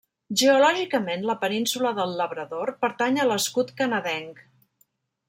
Geològicament, la península del Labrador pertany a l'escut canadenc.